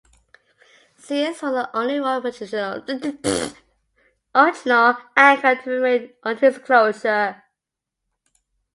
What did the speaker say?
Sears was the only original anchor to remain until its closure.